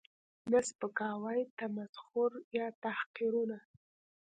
، نه سپکاوی، تمسخر یا تحقیرونه